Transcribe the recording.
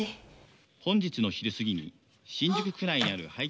「本日の昼すぎに新宿区内にある」